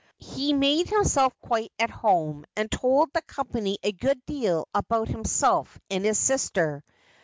He made himself quite at home,, and told the company a good deal about himself and his sister.